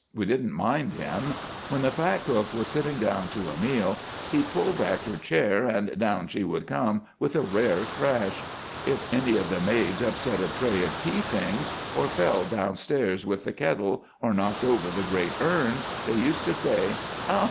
We didn't mind him. When the fat cook was sitting down to a meal, he'd pull back her chair, and down she would come with a rare crash. If any of the maids upset a tray of tea things, or fell downstairs with the kettle, or knocked over the great urn, they used to say—'Oh!